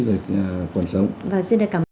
cảm ơn các bạn đã theo dõi